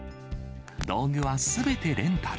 道具はすべてレンタル。